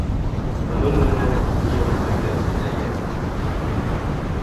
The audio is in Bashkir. Бының менән ни әйтергә теләйем?